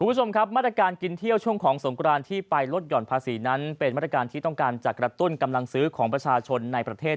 คุณผู้ชมครับมาตรการกินเที่ยวช่วงของสงกรานที่ไปลดห่อนภาษีนั้นเป็นมาตรการที่ต้องการจะกระตุ้นกำลังซื้อของประชาชนในประเทศ